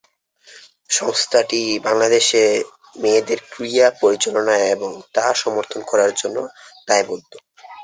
সংস্থাটি বাংলাদেশে মেয়েদের ক্রীড়া পরিচালনার এবং তা সমর্থন করার জন্য দায়বদ্ধ।